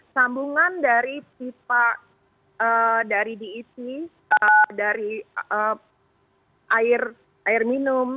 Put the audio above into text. sambungan dari pipa dari dep dari air minum